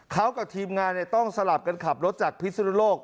เขากับทีมงานต้องสลับกันขับรถจากพิสุนโลก